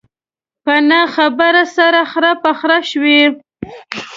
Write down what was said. په نه خبره سره خره په خره شوي.